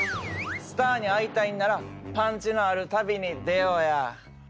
スターに会いたいんならパンチのある旅に出ようや。